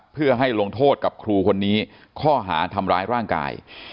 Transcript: เพื่อให้ลงโทษกับครูคนนี้ข้อหาทำร้ายร่างกาย